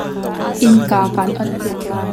Innka ka'n onpiak lai.